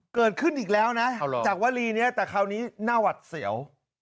เกิดขึ้นอีกแล้วนะจากวลีนี้แต่คราวนี้หน้าหวัดเสียว